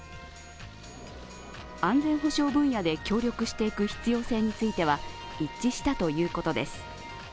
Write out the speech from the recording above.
安全保障分野で協力していく必要性については一致したということです。